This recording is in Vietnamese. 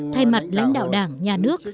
thay mặt lãnh đạo đảng nhà nước